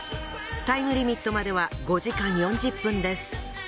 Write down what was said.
タイムリミットまでは５時間４０分です。